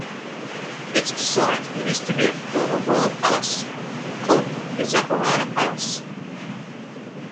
Its site used to be a former royal palace, called the Zafarana Palace.